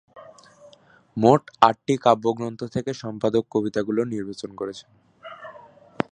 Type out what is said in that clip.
মোট আটটি কাব্যগ্রন্থ থেকে সম্পাদক কবিতাগুলো নির্বাচন করেছেন।